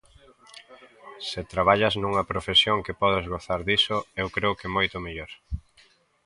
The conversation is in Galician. Se traballas nunha profesión que podes gozar diso, eu creo que moito mellor.